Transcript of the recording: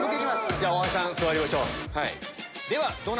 じゃあ大橋さん座りましょう。